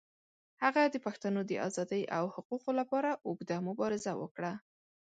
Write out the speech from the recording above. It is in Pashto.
هغه د پښتنو د آزادۍ او حقوقو لپاره اوږده مبارزه وکړه.